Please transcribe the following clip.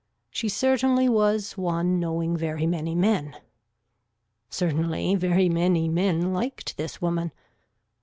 She certainly was one knowing very many men. Certainly very many men liked this woman.